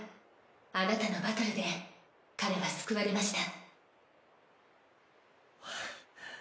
あなたのバトルで彼は救われました。